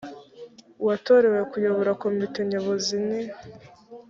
watorewe kuyobora komite nyobozi ni